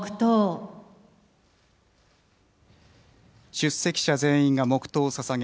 出席者全員が黙とうをささげ